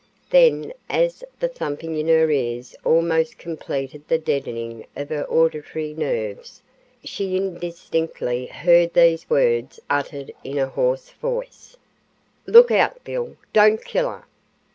Then as the thumping in her ears almost completed the deadening of her auditory nerves, she indistinctly heard these words uttered in a hoarse voice: "Look out, Bill; don't kill her."